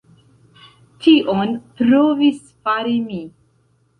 Tion provis fari mi.